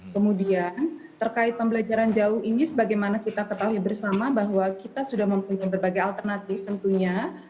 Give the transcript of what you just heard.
kemudian terkait pembelajaran jauh ini sebagaimana kita ketahui bersama bahwa kita sudah mempunyai berbagai alternatif tentunya